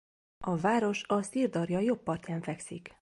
A város a Szir-darja jobb partján fekszik.